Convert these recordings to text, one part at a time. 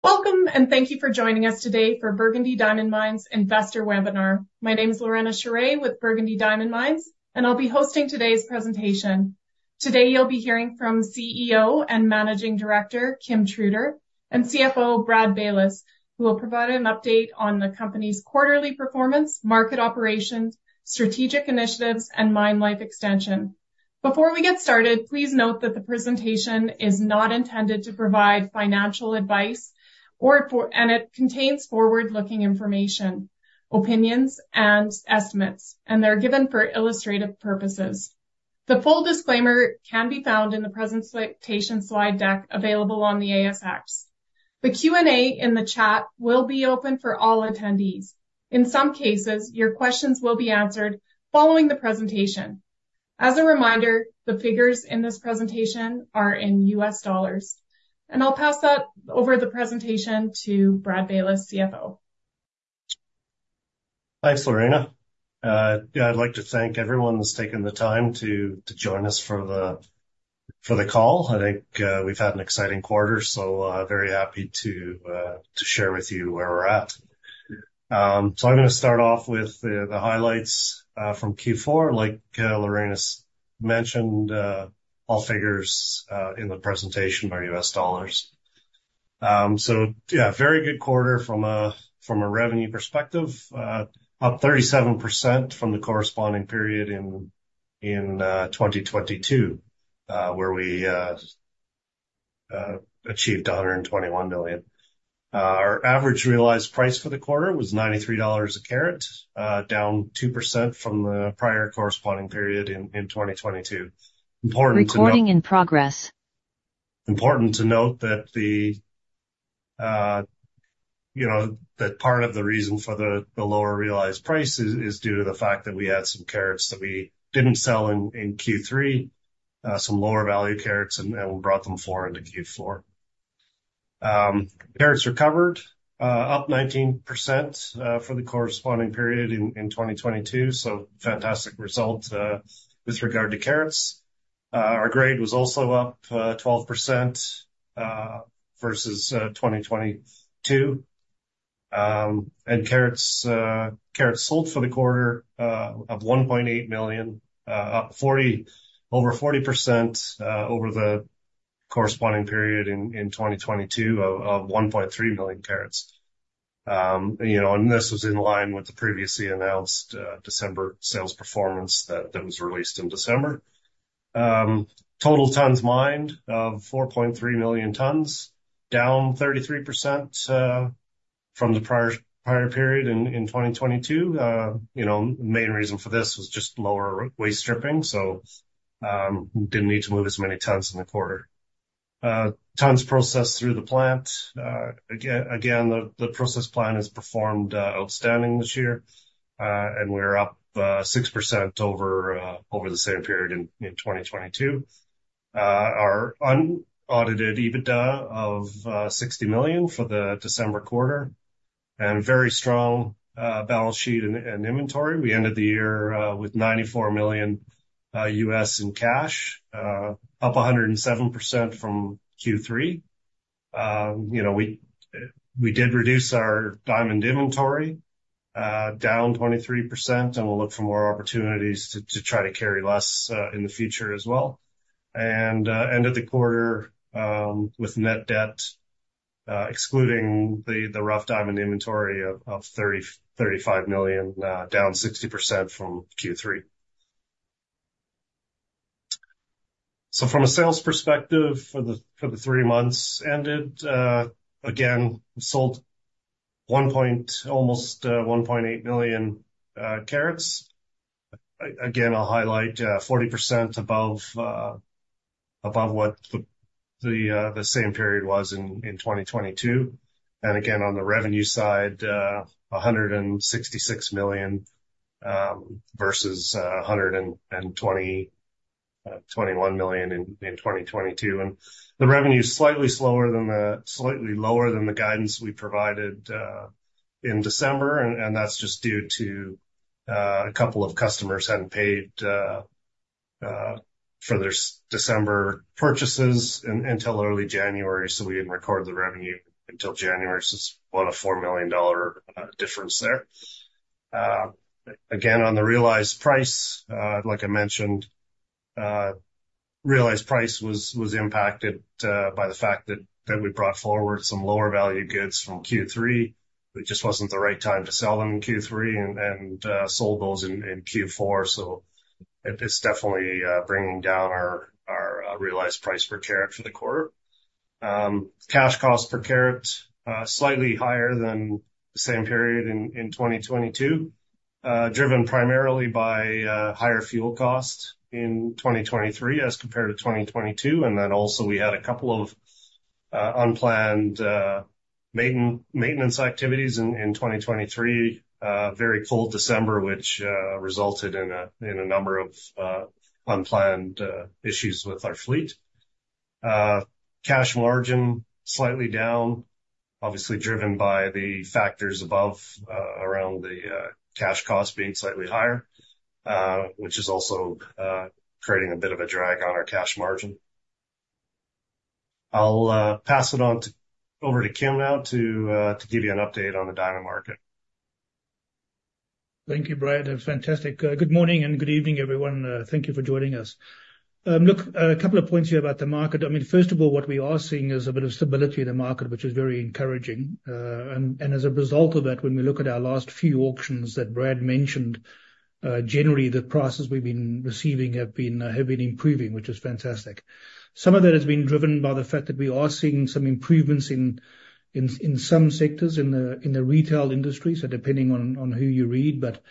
Welcome, and thank you for joining us today for Burgundy Diamond Mines Investor Webinar. My name is Lorena Charest with Burgundy Diamond Mines, and I'll be hosting today's presentation. Today you'll be hearing from CEO and Managing Director Kim Truter and CFO Brad Baylis, who will provide an update on the company's quarterly performance, market operations, strategic initiatives, and mine life extension. Before we get started, please note that the presentation is not intended to provide financial advice or for and it contains forward-looking information, opinions, and estimates, and they're given for illustrative purposes. The full disclaimer can be found in the presentation slide deck available on the ASX. The Q&A in the chat will be open for all attendees. In some cases, your questions will be answered following the presentation. As a reminder, the figures in this presentation are in U.S. dollars, and I'll pass that over the presentation to Brad Baylis, CFO. Thanks, Lorena. Yeah, I'd like to thank everyone that's taken the time to join us for the call. I think we've had an exciting quarter, so very happy to share with you where we're at. So I'm going to start off with the highlights from Q4. Like Lorena's mentioned, all figures in the presentation are U.S. dollars. So yeah, very good quarter from a revenue perspective, up 37% from the corresponding period in 2022, where we achieved $121 million. Our average realized price for the quarter was $93 a carat, down 2% from the prior corresponding period in 2022. Important to note. Important to note that the, you know, that part of the reason for the lower realized price is due to the fact that we had some carats that we didn't sell in Q3, some lower value carats, and we brought them forward into Q4. Carats recovered, up 19%, for the corresponding period in 2022, so fantastic result, with regard to carats. Our grade was also up 12%, versus 2022. And carats sold for the quarter, up 1.8 million, up over 40%, over the corresponding period in 2022 of 1.3 million carats. You know, and this was in line with the previously announced December sales performance that was released in December. Total tons mined of 4.3 million tons, down 33%, from the prior period in 2022. You know, main reason for this was just lower waste stripping, so, we didn't need to move as many tons in the quarter. Tons processed through the plant, again, the process plant is performed outstanding this year, and we're up 6% over the same period in 2022. Our unaudited EBITDA of $60 million for the December quarter and very strong balance sheet and inventory. We ended the year with $94 million in cash, up 107% from Q3. You know, we did reduce our diamond inventory down 23%, and we'll look for more opportunities to try to carry less in the future as well. End of the quarter, with net debt, excluding the rough diamond inventory of $35 million, down 60% from Q3. So from a sales perspective for the three months ended, again, sold almost 1.8 million carats. Again, I'll highlight, 40% above what the same period was in 2022. And again, on the revenue side, $166 million versus $121 million in 2022. And the revenue's slightly lower than the guidance we provided in December, and that's just due to a couple of customers hadn't paid for their December purchases until early January, so we didn't record the revenue until January. So it's about a $4 million difference there. Again, on the realized price, like I mentioned, realized price was impacted by the fact that we brought forward some lower value goods from Q3. It just wasn't the right time to sell them in Q3 and sold those in Q4, so it's definitely bringing down our realized price per carat for the quarter. Cash cost per carat, slightly higher than the same period in 2022, driven primarily by higher fuel cost in 2023 as compared to 2022. And then also we had a couple of unplanned maintenance activities in 2023, very cold December, which resulted in a number of unplanned issues with our fleet. Cash margin slightly down, obviously driven by the factors around the cash cost being slightly higher, which is also creating a bit of a drag on our cash margin. I'll pass it over to Kim now to give you an update on the diamond market. Thank you, Brad. Fantastic. Good morning and good evening, everyone. Thank you for joining us. Look, a couple of points here about the market. I mean, first of all, what we are seeing is a bit of stability in the market, which is very encouraging. And as a result of that, when we look at our last few auctions that Brad mentioned, generally the prices we've been receiving have been improving, which is fantastic. Some of that has been driven by the fact that we are seeing some improvements in some sectors in the retail industry, so depending on who you read. But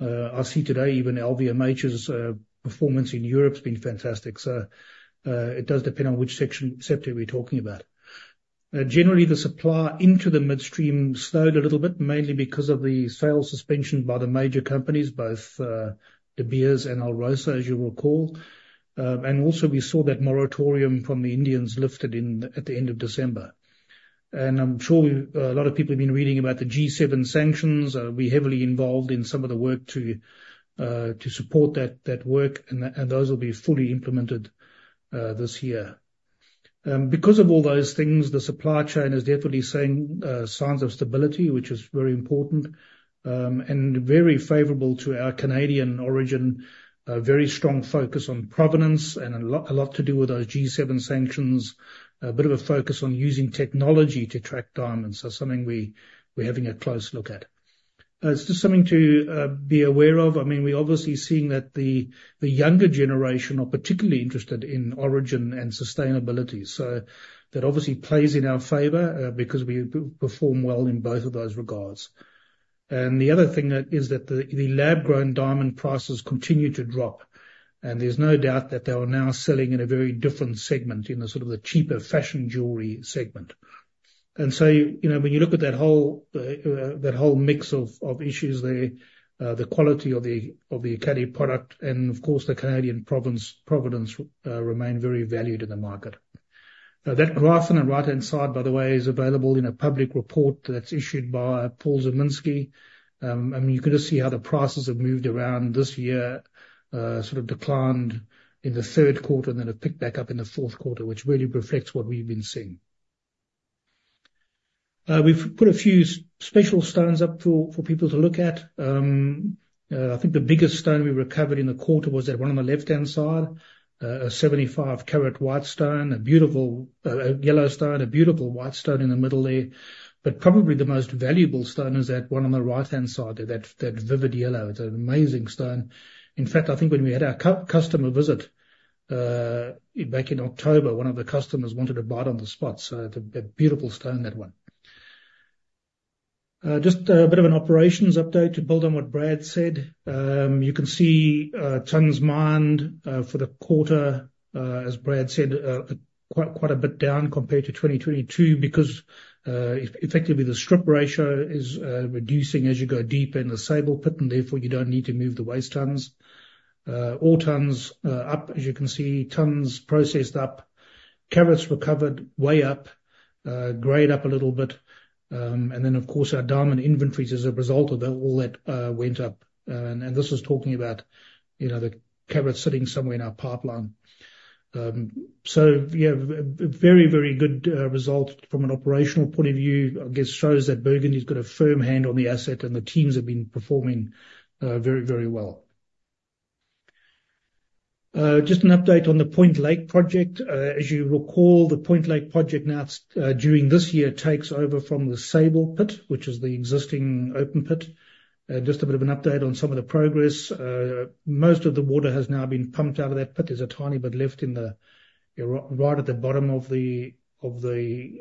I see today even LVMH's performance in Europe's been fantastic, so it does depend on which sector we're talking about. Generally the supply into the midstream slowed a little bit, mainly because of the sales suspension by the major companies, both De Beers and Alrosa, as you'll recall. And also we saw that moratorium from the Indians lifted at the end of December. And I'm sure a lot of people have been reading about the G7 sanctions. We're heavily involved in some of the work to support that work, and those will be fully implemented this year. Because of all those things, the supply chain is definitely showing signs of stability, which is very important, and very favorable to our Canadian origin, very strong focus on provenance and a lot to do with those G7 sanctions, a bit of a focus on using technology to track diamonds as something we're having a close look at. It's just something to be aware of. I mean, we're obviously seeing that the younger generation are particularly interested in origin and sustainability, so that obviously plays in our favor, because we perform well in both of those regards. And the other thing that is that the lab-grown diamond prices continue to drop, and there's no doubt that they are now selling in a very different segment in the sort of the cheaper fashion jewelry segment. And so, you know, when you look at that whole mix of issues there, the quality of the Ekati product and, of course, the Canadian provenance, remain very valued in the market. That graph on the right-hand side, by the way, is available in a public report that's issued by Paul Zimnisky. I mean, you can just see how the prices have moved around this year, sort of declined in the third quarter and then a pick back up in the fourth quarter, which really reflects what we've been seeing. We've put a few special stones up for people to look at. I think the biggest stone we recovered in the quarter was that one on the left-hand side, a 75-carat white stone, a beautiful yellow stone, a beautiful white stone in the middle there. But probably the most valuable stone is that one on the right-hand side there, that vivid yellow. It's an amazing stone. In fact, I think when we had our customer visit back in October, one of the customers wanted to buy it on the spot, so it's a beautiful stone, that one. Just a bit of an operations update to build on what Brad said. You can see, tons mined for the quarter, as Brad said, quite a bit down compared to 2022 because, effectively, the strip ratio is reducing as you go deeper in the Sable pit, and therefore you don't need to move the waste tons. Ore tons up, as you can see, tons processed up, carats recovered way up, grade up a little bit. And then, of course, our diamond inventories as a result of that, all that, went up. And this is talking about, you know, the carats sitting somewhere in our pipeline. So, yeah, very good result from an operational point of view, I guess, shows that Burgundy's got a firm hand on the asset and the teams have been performing very well. Just an update on the Point Lake project. As you recall, the Point Lake Project now's during this year takes over from the Sable pit, which is the existing open pit. Just a bit of an update on some of the progress. Most of the water has now been pumped out of that pit. There's a tiny bit left in the right at the bottom of the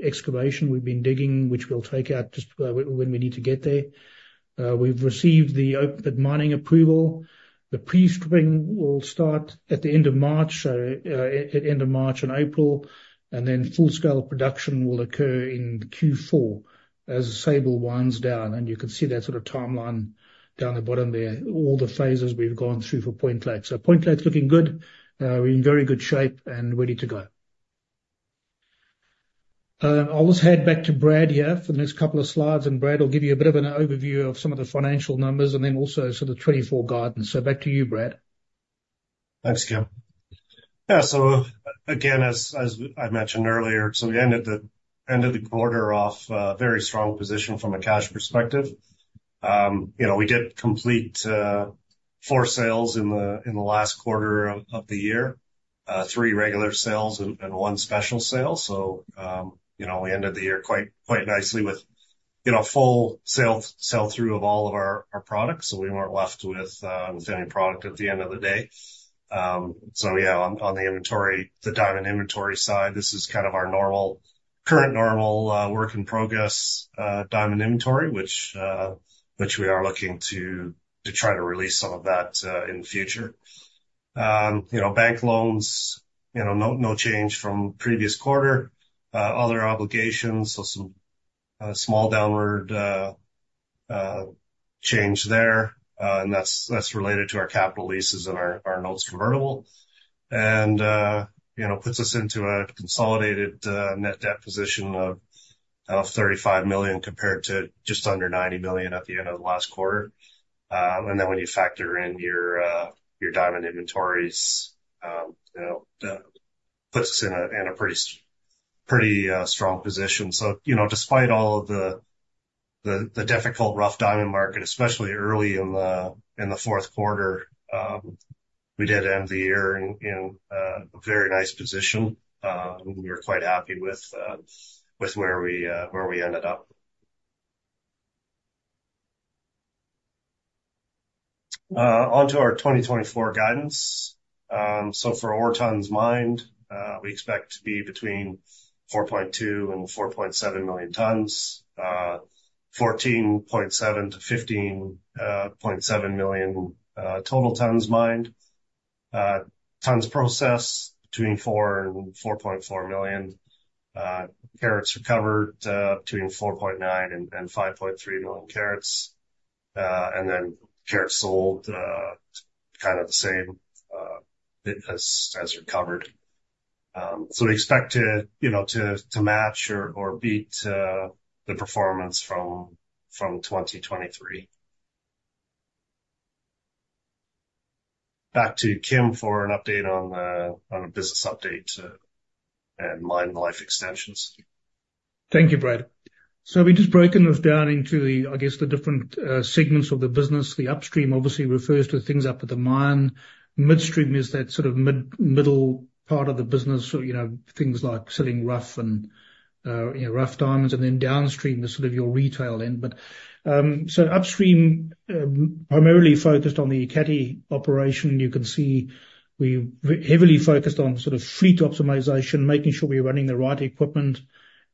excavation we've been digging, which we'll take out just when we need to get there. We've received the open pit mining approval. The pre-stripping will start at the end of March, so at end of March and April, and then full-scale production will occur in Q4 as Sable winds down. And you can see that sort of timeline down the bottom there, all the phases we've gone through for Point Lake. So Point Lake's looking good. We're in very good shape and ready to go. I'll just hand back to Brad here for the next couple of slides, and Brad will give you a bit of an overview of some of the financial numbers and then also sort of 2024 guidance. So back to you, Brad. Thanks, Kim. Yeah, so again, as I mentioned earlier, so we ended the end of the quarter off very strong position from a cash perspective. You know, we did complete 4 sales in the last quarter of the year, three regular sales and one special sale. So, you know, we ended the year quite nicely with, you know, full sale sell-through of all of our products, so we weren't left with any product at the end of the day. So yeah, on the diamond inventory side, this is kind of our normal current normal work in progress diamond inventory, which we are looking to try to release some of that in the future. You know, bank loans, you know, no change from previous quarter. Other obligations, so some small downward change there, and that's related to our capital leases and our notes convertible. And you know, puts us into a consolidated net debt position of $35 million compared to just under $90 million at the end of the last quarter. And then when you factor in your diamond inventories, you know, that puts us in a pretty strong position. So you know, despite all of the difficult rough diamond market, especially early in the fourth quarter, we did end the year in a very nice position. We were quite happy with where we ended up. Onto our 2024 guidance. So for ore tons mined, we expect to be between 4.2 million and 4.7 million tons, 14.7 million to 15.7 million total tons mined. Tons processed between 4 million and 4.4 million. Carats recovered between 4.9 million and 5.3 million carats. And then carats sold, kind of the same, as recovered. So we expect to, you know, match or beat the performance from 2023. Back to Kim for an update on a business update and mine life extensions. Thank you, Brad. So have you just broken us down into, I guess, the different segments of the business? The Upstream obviously refers to things up at the mine. Midstream is that sort of middle part of the business, so, you know, things like selling rough and, you know, rough diamonds. And then Downstream is sort of your retail end. But Upstream, primarily focused on the Ekati operation. You can see we've heavily focused on sort of fleet optimization, making sure we're running the right equipment,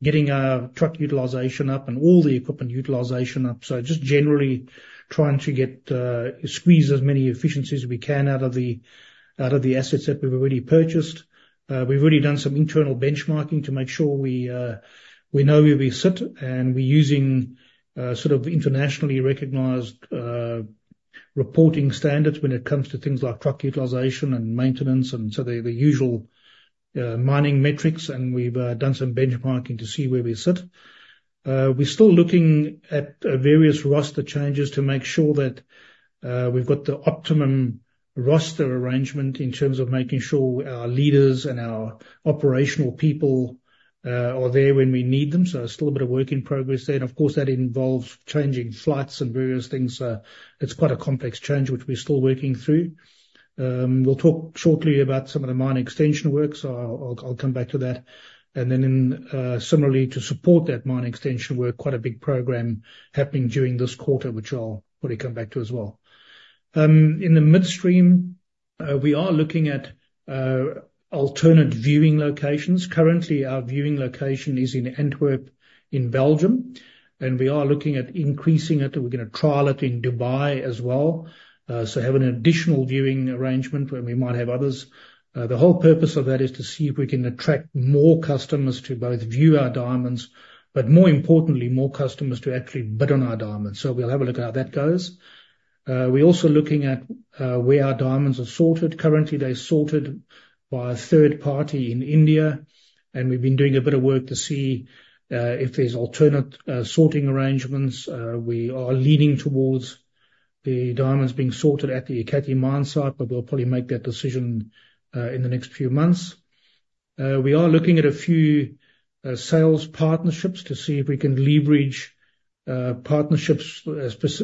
getting our truck utilization up and all the equipment utilization up. So just generally trying to squeeze as many efficiencies as we can out of the assets that we've already purchased. We've already done some internal benchmarking to make sure we know where we sit, and we're using sort of internationally recognized reporting standards when it comes to things like truck utilization and maintenance and so the usual mining metrics. And we've done some benchmarking to see where we sit. We're still looking at various roster changes to make sure that we've got the optimum roster arrangement in terms of making sure our leaders and our operational people are there when we need them. So there's still a bit of work in progress there. And of course, that involves changing flights and various things, so it's quite a complex change, which we're still working through. We'll talk shortly about some of the mine extension work, so I'll come back to that. And then, similarly to support that mine extension work, quite a big program happening during this quarter, which I'll probably come back to as well. In the midstream, we are looking at alternative viewing locations. Currently, our viewing location is in Antwerp, in Belgium, and we are looking at increasing it. We're going to trial it in Dubai as well, so have an additional viewing arrangement when we might have others. The whole purpose of that is to see if we can attract more customers to both view our diamonds, but more importantly, more customers to actually bid on our diamonds. So we'll have a look at how that goes. We're also looking at where our diamonds are sorted. Currently, they're sorted by a third party in India, and we've been doing a bit of work to see if there's sorting arrangements. We are leaning towards the diamonds being sorted at the Ekati mine site, but we'll probably make that decision in the next few months. We are looking at a few sales partnerships to see if we can leverage partnerships,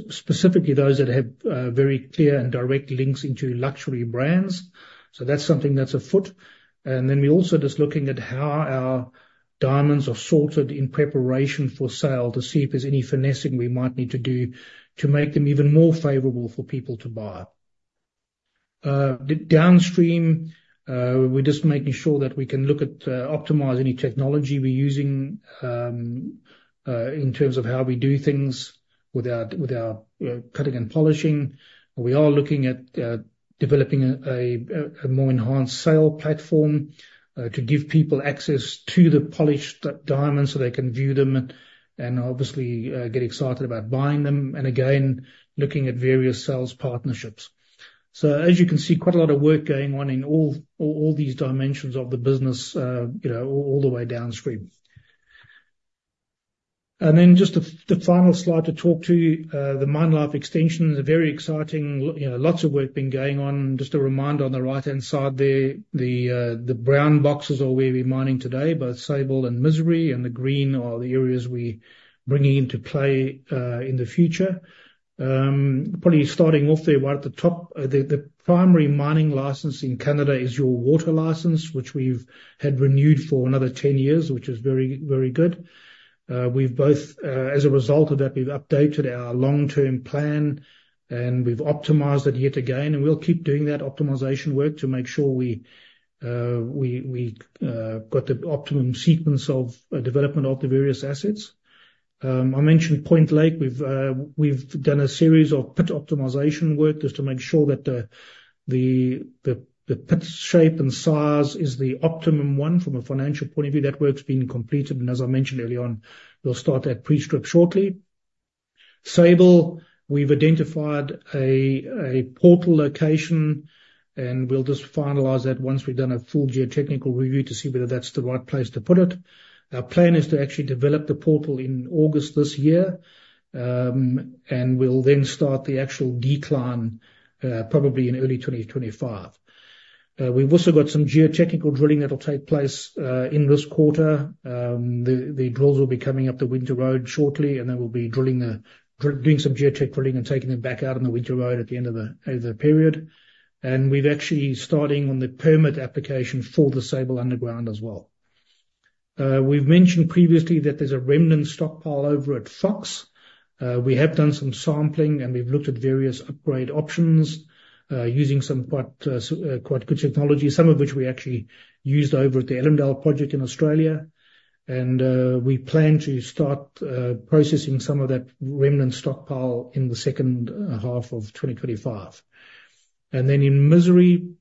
specifically those that have very clear and direct links into luxury brands. So that's something that's afoot. And then we're also just looking at how our diamonds are sorted in preparation for sale to see if there's any finessing we might need to do to make them even more favorable for people to buy. Downstream, we're just making sure that we can look at optimize any technology we're using in terms of how we do things without, you know, cutting and polishing. We are looking at developing a more enhanced sale platform to give people access to the polished diamonds so they can view them and obviously get excited about buying them. And again, looking at various sales partnerships. So as you can see, quite a lot of work going on in all these dimensions of the business, you know, all the way downstream. And then just the final slide to talk to the mine life extension, a very exciting you know, lots of work been going on. Just a reminder on the right-hand side the brown boxes are where we're mining today, both Sable and Misery, and the green are the areas we're bringing into play in the future. Probably starting off there right at the top, the primary mining license in Canada is your water license, which we've had renewed for another 10 years, which is very, very good. We've both, as a result of that, updated our long-term plan, and we've optimized it yet again. We'll keep doing that optimization work to make sure we got the optimum sequence of development of the various assets. I mentioned Point Lake. We've done a series of pit optimization work just to make sure that the pit shape and size is the optimum one from a financial point of view. That work's been completed, and as I mentioned early on, we'll start that pre-strip shortly. Sable, we've identified a portal location, and we'll just finalize that once we've done a full geotechnical review to see whether that's the right place to put it. Our plan is to actually develop the portal in August this year, and we'll then start the actual decline, probably in early 2025. We've also got some geotechnical drilling that'll take place in this quarter. The drills will be coming up the Winter Road shortly, and then we'll be drilling doing some geotech drilling and taking them back out on the Winter Road at the end of the period. We're actually starting on the permit application for the Sable underground as well. We've mentioned previously that there's a remnant stockpile over at Fox. We have done some sampling, and we've looked at various upgrade options, using some quite good technology, some of which we actually used over at the Ellendale Project in Australia. We plan to start processing some of that remnant stockpile in the second half of 2025. Then in Misery,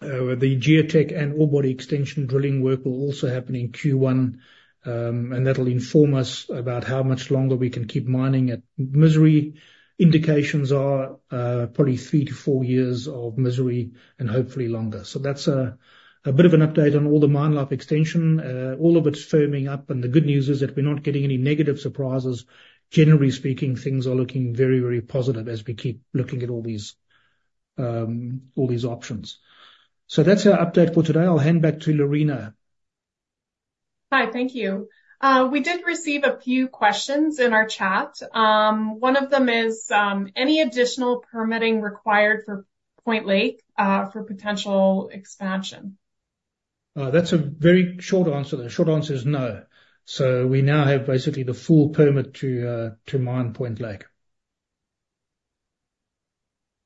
the geotech and ore body extension drilling work will also happen in Q1, and that'll inform us about how much longer we can keep mining at Misery. Indications are, probably three to four years of Misery and hopefully longer. So that's a bit of an update on all the mine life extension, all of it's firming up. The good news is that we're not getting any negative surprises. Generally speaking, things are looking very, very positive as we keep looking at all these options. So that's our update for today. I'll hand back to Lorena. Hi, thank you. We did receive a few questions in our chat. One of them is, any additional permitting required for Point Lake, for potential expansion? That's a very short answer. The short answer is no. So we now have basically the full permit to mine Point Lake.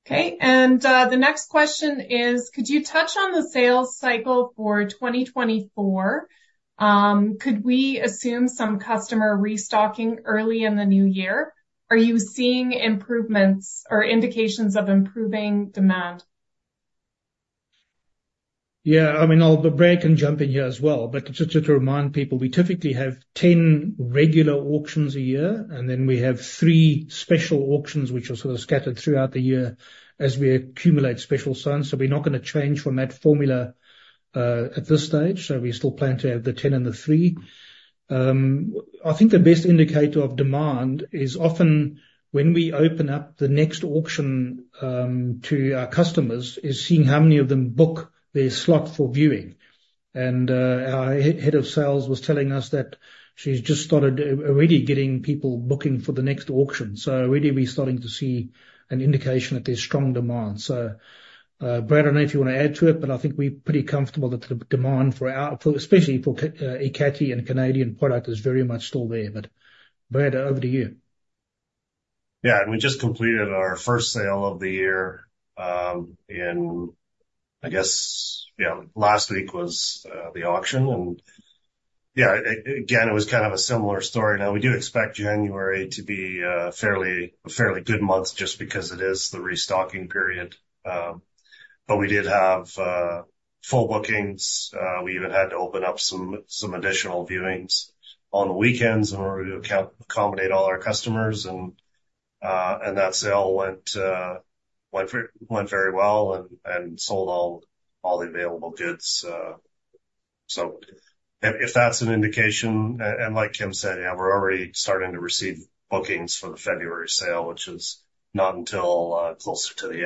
Okay. And, the next question is, could you touch on the sales cycle for 2024? Could we assume some customer restocking early in the new year? Are you seeing improvements or indications of improving demand? Yeah, I mean, I'll be jumping in here as well, but just to remind people, we typically have 10 regular auctions a year, and then we have three special auctions, which are sort of scattered throughout the year as we accumulate special stones. So we're not going to change from that formula, at this stage. So we still plan to have the 10 and the three. I think the best indicator of demand is often when we open up the next auction, to our customers is seeing how many of them book their slot for viewing. And, our Head of Sales was telling us that she's just started already getting people booking for the next auction. So already we're starting to see an indication that there's strong demand. Brad, I don't know if you want to add to it, but I think we're pretty comfortable that the demand for our, for especially for Ekati and Canadian product, is very much still there. Brad, over to you. Yeah, and we just completed our first sale of the year. I guess, you know, last week was the auction. And yeah, again, it was kind of a similar story. Now, we do expect January to be a fairly good month just because it is the restocking period. But we did have full bookings. We even had to open up some additional viewings on the weekends in order to accommodate all our customers. And that sale went very well and sold all the available goods. So if that's an indication, and like Kim said, yeah, we're already starting to receive bookings for the February sale, which is not until closer to the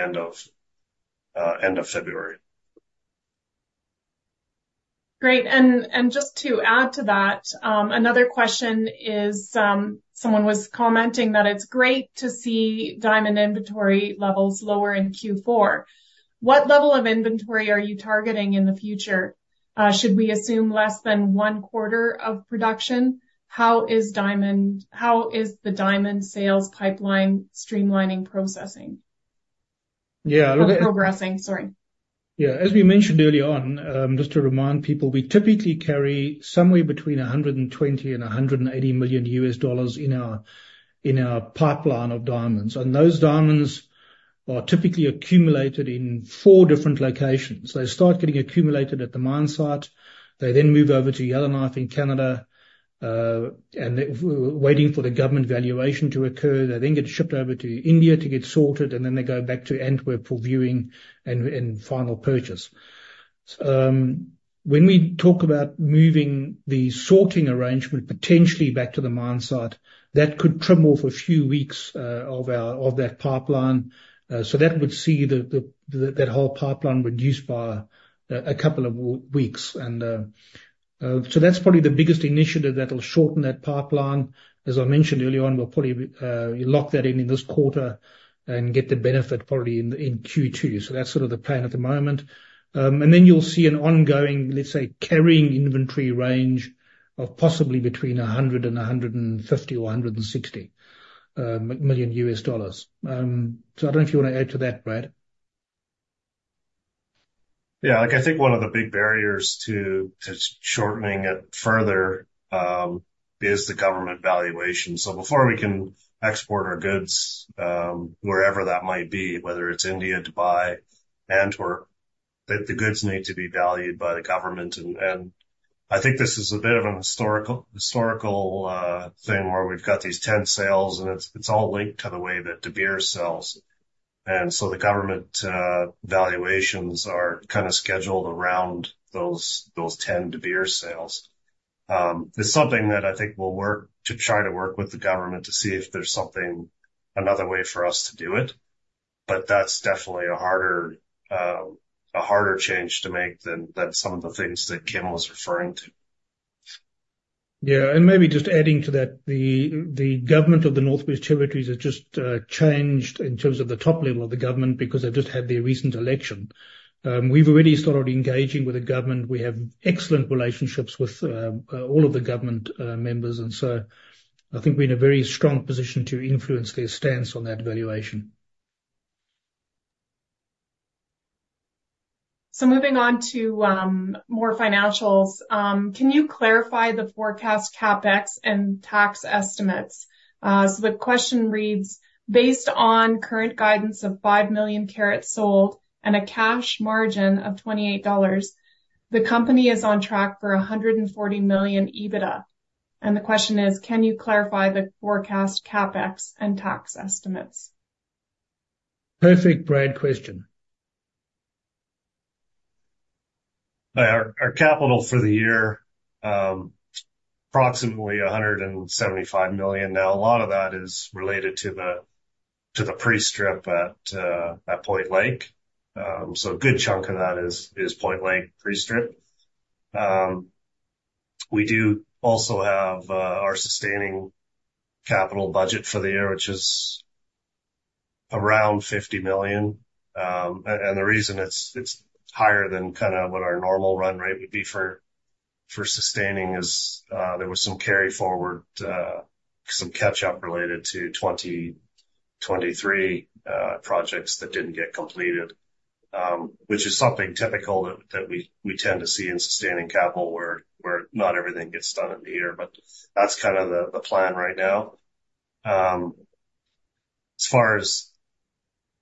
end of February. Great. And just to add to that, another question is, someone was commenting that it's great to see diamond inventory levels lower in Q4. What level of inventory are you targeting in the future? Should we assume less than one quarter of production? How is the diamond sales pipeline streamlining processing? Or progressing? Sorry. Yeah, as we mentioned early on, just to remind people, we typically carry somewhere between $120 million and $180 million in our pipeline of diamonds. Those diamonds are typically accumulated in four different locations. They start getting accumulated at the mine site. They then move over to Yellowknife in Canada, and they're waiting for the government valuation to occur. They then get shipped over to India to get sorted, and then they go back to Antwerp for viewing and final purchase. When we talk about moving the sorting arrangement potentially back to the mine site, that could trim off a few weeks of that pipeline. So that would see that whole pipeline reduced by a couple of weeks. So that's probably the biggest initiative that'll shorten that pipeline. As I mentioned early on, we'll probably lock that in in this quarter and get the benefit probably in Q2. So that's sort of the plan at the moment. And then you'll see an ongoing, let's say, carrying inventory range of possibly between $100 million and $150 million or $160 million. So I don't know if you want to add to that, Brad. Yeah, like, I think one of the big barriers to shortening it further is the government valuation. So before we can export our goods, wherever that might be, whether it's India, Dubai, Antwerp, the goods need to be valued by the government. And I think this is a bit of a historical thing where we've got these 10 sales, and it's all linked to the way that De Beers sells. And so the government valuations are kind of scheduled around those 10 De Beers sales. It's something that I think we'll work to try to work with the government to see if there's another way for us to do it. But that's definitely a harder change to make than some of the things that Kim was referring to. Yeah, and maybe just adding to that, the government of the Northwest Territories has just changed in terms of the top level of the government because they've just had their recent election. We've already started engaging with the government. We have excellent relationships with all of the government members. And so I think we're in a very strong position to influence their stance on that valuation. So moving on to more financials, can you clarify the forecast CapEx and tax estimates? So the question reads, based on current guidance of 5 million carats sold and a cash margin of $28, the company is on track for $140 million EBITDA. And the question is, can you clarify the forecast CapEx and tax estimates? Perfect, Brad, question. Our capital for the year, approximately $175 million. Now, a lot of that is related to the pre-strip at Point Lake. So a good chunk of that is Point Lake pre-strip. We do also have our sustaining capital budget for the year, which is around $50 million. And the reason it's higher than kind of what our normal run rate would be for sustaining is there was some carry forward, some catch-up related to 2023 projects that didn't get completed, which is something typical that we tend to see in sustaining capital where not everything gets done in the year. But that's kind of the plan right now. As far as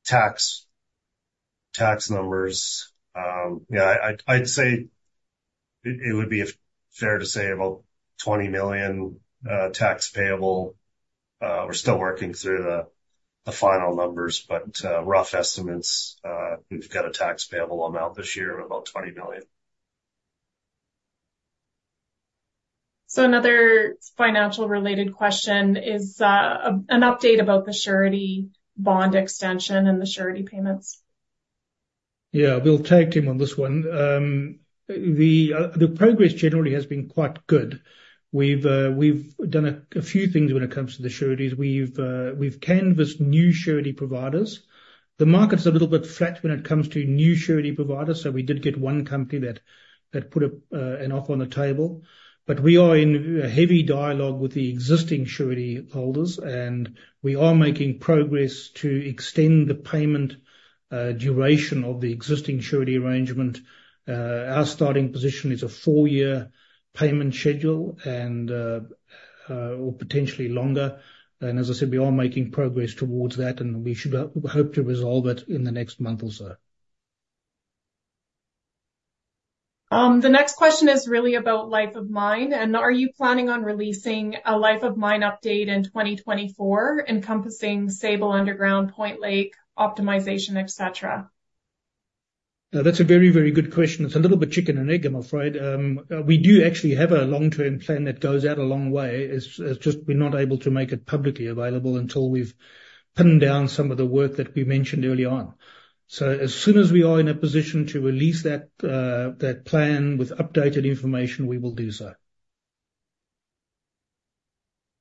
tax numbers, yeah, I'd say it would be fair to say about $20 million tax payable. We're still working through the final numbers, but rough estimates, we've got a tax payable amount this year of about $20 million. Another financial-related question is an update about the surety bond extension and the surety payments? Yeah, we'll tag team on this one. The progress generally has been quite good. We've done a few things when it comes to the sureties. We've canvassed new surety providers. The market's a little bit flat when it comes to new surety providers. So we did get one company that put an offer on the table. But we are in a heavy dialogue with the existing surety holders, and we are making progress to extend the payment duration of the existing surety arrangement. Our starting position is a four-year payment schedule and or potentially longer. And as I said, we are making progress towards that, and we should hope to resolve it in the next month or so. The next question is really about Life of Mine. Are you planning on releasing a Life of Mine update in 2024 encompassing Sable underground, Point Lake optimization, etc.? That's a very, very good question. It's a little bit chicken and egg, I'm afraid. We do actually have a long-term plan that goes out a long way. It's just we're not able to make it publicly available until we've pinned down some of the work that we mentioned early on. So as soon as we are in a position to release that plan with updated information, we will do so.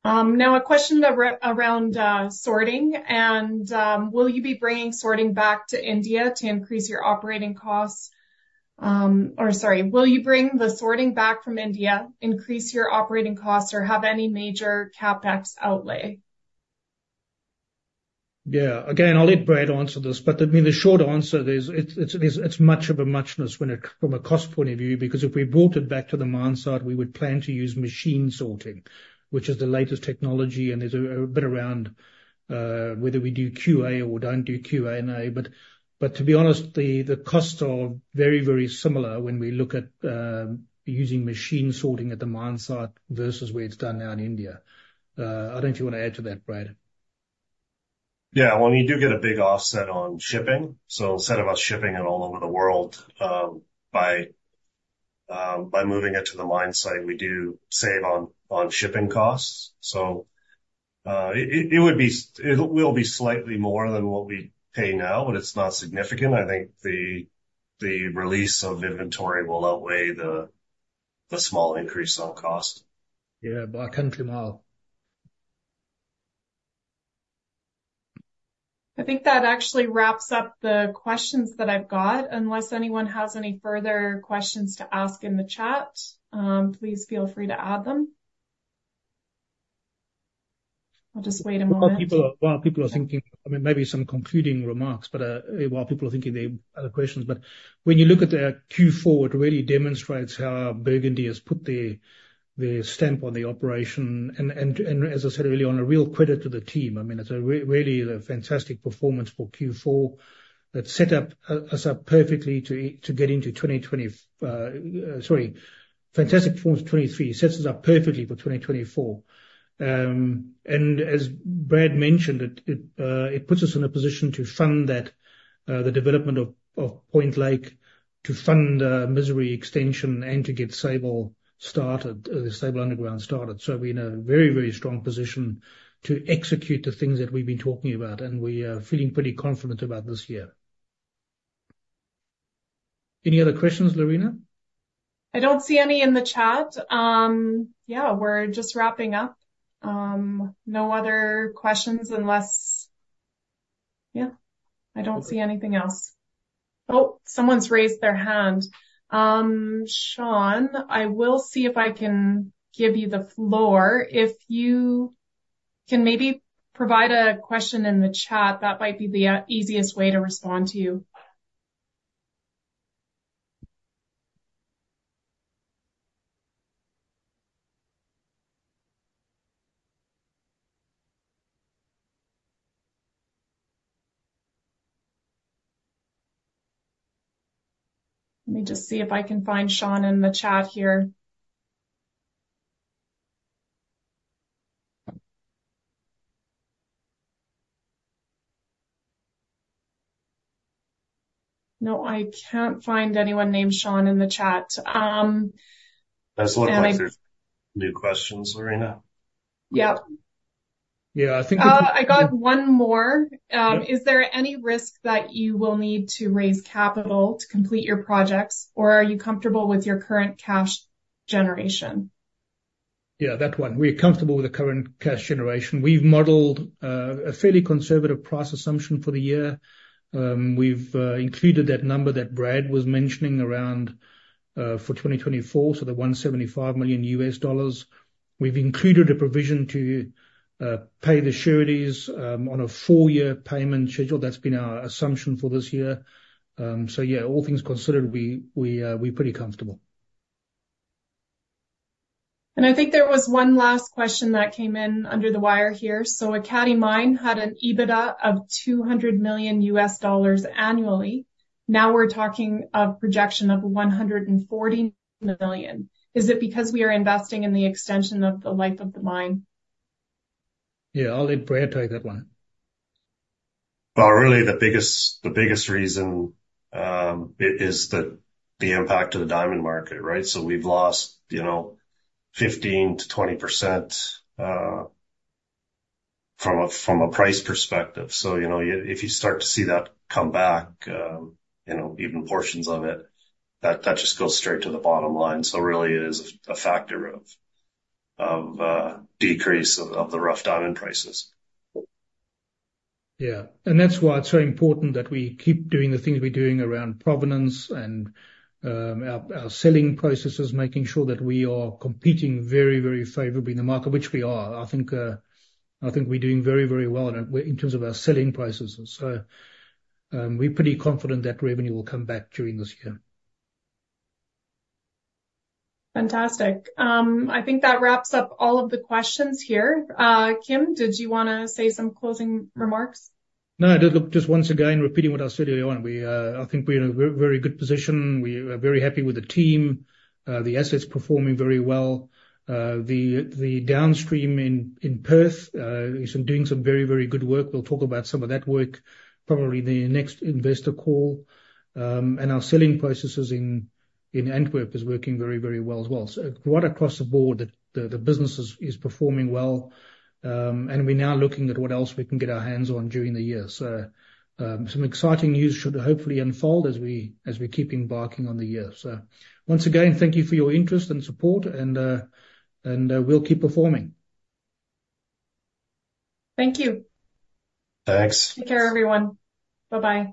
Now a question around sorting. Will you be bringing sorting back to India to increase your operating costs? Or sorry, will you bring the sorting back from India, increase your operating costs, or have any major CapEx outlay? Yeah, again, I'll let Brad answer this. But I mean, the short answer is it's much of a muchness when it comes from a cost point of view, because if we brought it back to the mine site, we would plan to use machine sorting, which is the latest technology. And there's a bit around whether we do QA or don't do QA but to be honest, the costs are very, very similar when we look at using machine sorting at the mine site versus where it's done now in India. I don't know if you want to add to that, Brad. Yeah, well, and you do get a big offset on shipping. So instead of us shipping it all over the world, by moving it to the mine site, we do save on shipping costs. So, it will be slightly more than what we pay now, but it's not significant. I think the release of inventory will outweigh the small increase on cost. Yeah, I can't agree more. I think that actually wraps up the questions that I've got. Unless anyone has any further questions to ask in the chat, please feel free to add them. I'll just wait a moment. While people are thinking I mean, maybe some concluding remarks, but while people are thinking they have questions. But when you look at their Q4, it really demonstrates how Burgundy has put their stamp on the operation. And as I said earlier, on a real credit to the team. I mean, it's a really fantastic performance for Q4 that sets us up perfectly to get into a fantastic performance for 2023. Sets us up perfectly for 2024. And as Brad mentioned, it puts us in a position to fund the development of Point Lake, to fund Misery extension and to get Sable started, the Sable underground started. So we're in a very strong position to execute the things that we've been talking about, and we are feeling pretty confident about this year. Any other questions, Lorena? I don't see any in the chat. Yeah, we're just wrapping up. No other questions unless yeah, I don't see anything else. Oh, someone's raised their hand. Sean, I will see if I can give you the floor. If you can maybe provide a question in the chat, that might be the easiest way to respond to you. Let me just see if I can find Sean in the chat here. No, I can't find anyone named Sean in the chat. That's a lot of new questions, Lorena. Yep. Oh, I got one more. Is there any risk that you will need to raise capital to complete your projects, or are you comfortable with your current cash generation? Yeah, that one. We're comfortable with the current cash generation. We've modeled a fairly conservative price assumption for the year. We've included that number that Brad was mentioning around for 2024, so the $175 million. We've included a provision to pay the sureties on a four-year payment schedule. That's been our assumption for this year. So yeah, all things considered, we're pretty comfortable. I think there was one last question that came in under the wire here. Ekati Mine had an EBITDA of $200 million annually. Now we're talking a projection of $140 million. Is it because we are investing in the extension of the life of the mine? Yeah, I'll let Brad take that one. Well, really, the biggest reason is the impact of the diamond market, right? So we've lost, you know, 15%-20% from a price perspective. So, you know, if you start to see that come back, you know, even portions of it, that just goes straight to the bottom line. So really, it is a factor of decrease of the rough diamond prices. Yeah, and that's why it's so important that we keep doing the things we're doing around provenance and our selling processes, making sure that we are competing very, very favorably in the market, which we are. I think we're doing very, very well in terms of our selling processes. So, we're pretty confident that revenue will come back during this year. Fantastic. I think that wraps up all of the questions here. Kim, did you want to say some closing remarks? No, I did just once again, repeating what I said earlier. I think we're in a very good position. We are very happy with the team. The assets performing very well. The, the downstream in Perth, is doing some very, very good work. We'll talk about some of that work probably in the next investor call. Our selling processes in Antwerp is working very, very well as well. So broad across the Board, the, the business is performing well. We're now looking at what else we can get our hands on during the year. So, some exciting news should hopefully unfold as we as we keep embarking on the year. So once again, thank you for your interest and support, and we'll keep performing. Thank you. Thanks. Take care, everyone. Bye-bye.